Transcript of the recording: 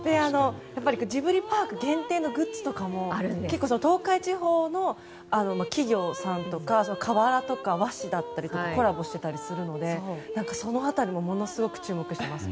ジブリパーク限定のグッズとかも東海地方の企業さんとか瓦とか和紙だったりとコラボしていたりするのでその辺りもすごく注目してます。